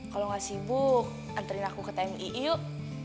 kalau gak sibuk anterin aku ke tmi yuk